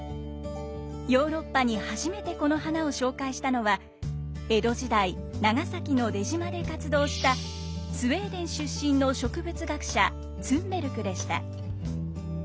ヨーロッパに初めてこの花を紹介したのは江戸時代長崎の出島で活動したスウェーデン出身の植物学者ツンベルクでした。